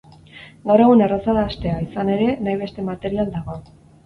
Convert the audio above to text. Gaur egun erraza da hastea, izan ere, nahi beste material dago.